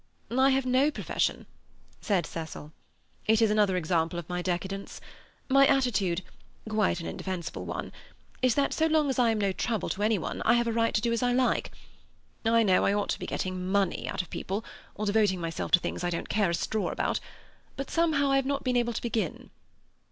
"I have no profession," said Cecil. "It is another example of my decadence. My attitude—quite an indefensible one—is that so long as I am no trouble to any one I have a right to do as I like. I know I ought to be getting money out of people, or devoting myself to things I don't care a straw about, but somehow, I've not been able to begin."